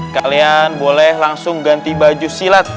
kalian boleh langsung ganti baju silat